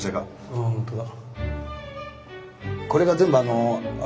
ああ本当だ。